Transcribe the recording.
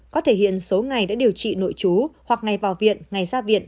có thể hiện số ngày đã điều trị nội chú hoặc ngày vào viện ngày ra viện